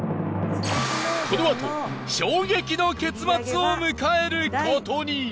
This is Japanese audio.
このあと衝撃の結末を迎える事に！